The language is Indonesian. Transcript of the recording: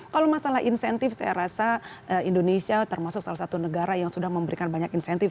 kalau masalah insentif saya rasa indonesia termasuk salah satu negara yang sudah memberikan banyak insentif